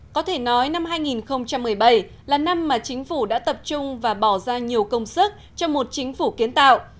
có thể nói năm hai nghìn một mươi bảy là năm mà chính phủ đã tập trung và bỏ ra nhiều công sức cho một chính phủ kiến tạo